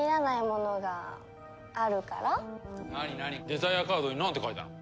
デザイアカードになんて書いたの？